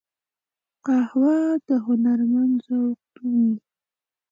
قهوه د هنرمند ذوق وي